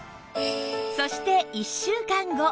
そして１週間後